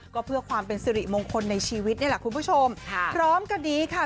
ก็เพื่อความเป็นสิริมงคลในชีวิตนี่แหละคุณผู้ชมค่ะพร้อมกันนี้ค่ะ